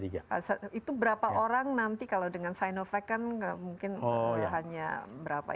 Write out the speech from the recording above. itu berapa orang nanti kalau dengan sinovac kan mungkin hanya berapa